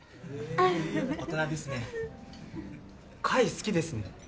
貝好きですね。